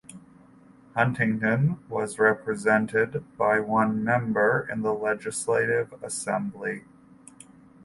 Huntingdon was represented by one member in the Legislative Assembly.